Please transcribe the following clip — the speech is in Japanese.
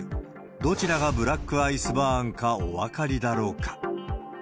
どちらがブラックアイスバーンかお分かりだろうか？